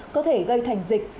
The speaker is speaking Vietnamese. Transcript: có thể gây thành dịch